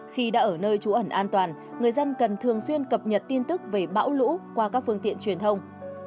khi đã ở nơi trú ẩn an toàn người dân cần thường xuyên cập nhật tin tức về bão lũ qua các phương tiện truyền thông